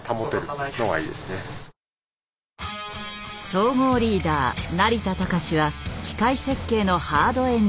総合リーダー成田尚志は機械設計のハードエンジニア。